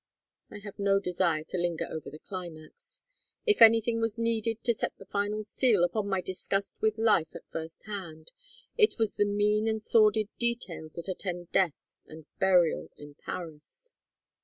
I have no desire to linger over the climax. If anything was needed to set the final seal upon my disgust with life at first hand it was the mean and sordid details that attend death and burial in Paris.